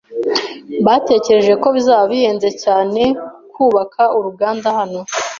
Batekereje ko bizaba bihenze cyane kubaka uruganda hano.